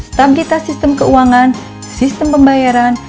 stabilitas sistem keuangan sistem pembayaran